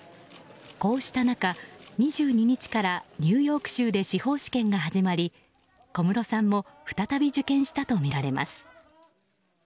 こうした中２２日から、ニューヨーク州で司法試験が始まり小室さんも再び受験したとみられます。